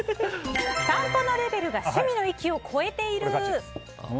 散歩のレベルが趣味の域を超えている。